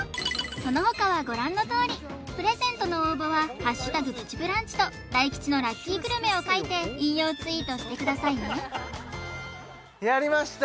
そのほかはご覧のとおりプレゼントの応募は「＃プチブランチ」と大吉のラッキーグルメを書いて引用ツイートしてくださいねやりました！